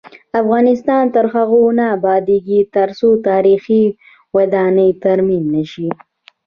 افغانستان تر هغو نه ابادیږي، ترڅو تاریخي ودانۍ ترمیم نشي.